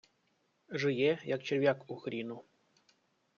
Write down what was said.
Жиє, як черв'як у хріну.